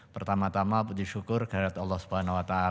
pertama tama puji syukur kehadirat allah swt